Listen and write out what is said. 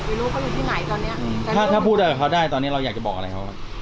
คือลูกเขาอยู่ที่ไหนตอนเนี้ยแต่ถ้าถ้าพูดอะไรกับเขาได้ตอนนี้เราอยากจะบอกอะไรเขาครับ